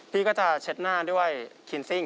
พี่ก็จะเช็ดหน้าด้วยคินซิ่ง